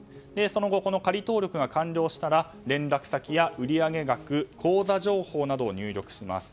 その後、仮登録が完了したら連絡先や売上額口座情報などを入力します。